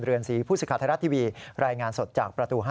เรือนซีภูษคาทฤทธิ์ทรีย์รายงานสดจากประตู๕